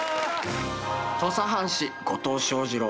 土佐藩士後藤象二郎